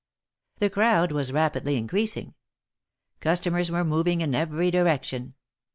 The crowd was rapidly increasing; customers were moving in every direction.